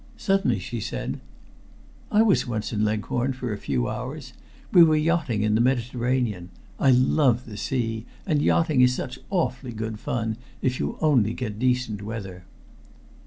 Suddenly she said "I was once in Leghorn for a few hours. We were yachting in the Mediterranean. I love the sea and yachting is such awfully good fun, if you only get decent weather."